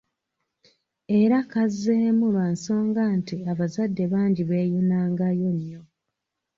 Era kazzeemu lwa nsonga nti abazadde bangi beeyunangayo nnyo.